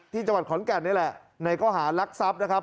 ที่จังหวัดขอนแก่นนี่แหละในข้อหารักทรัพย์นะครับ